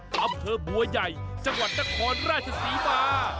อำเภอบัวใหญ่จังหวัดนครราชศรีมา